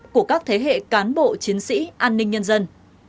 của các thế hệ cán bộ chiến sĩ an ninh nhân dân